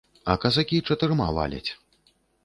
А казакі чатырма валяць.